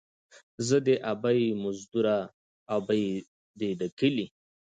ـ زه دې ابۍ مزدوره ، ابۍ دې کلي.